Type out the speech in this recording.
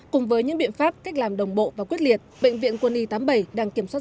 cùng với những biện pháp cách làm đồng bộ và quyết liệt bệnh viện quân y tám mươi bảy đang kiểm soát